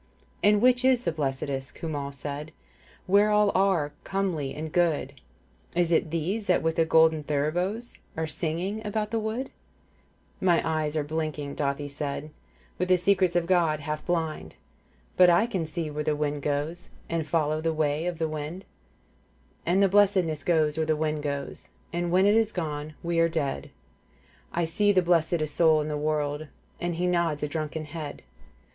'' And which is the blessedest, ' Cumhal said, ' Where all are comely and good ?' Is it these that with golden thuribles ' Are singing about the wood ?'' My eyes are blinking,' Dathi said, ' With the secrets of God half blind, * But I can see where the wind goes ' And follow the way of the wind ; 46 ' And blessedness goes where the wind goes, 'And when it is gone we are dead ; *I see the blessedest soul in the world 'And he nods a drunken head.